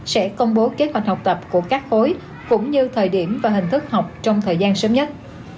sẽ công bố kế hoạch học tập của các khối cũng như thời điểm và hình thức học trong thời gian sớm nhất